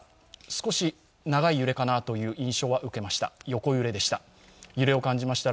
少し長い揺れかなという印象は受けました。